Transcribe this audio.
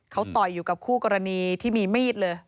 เขาต่อยอยู่กับคู่กรณีที่มีมีดเลย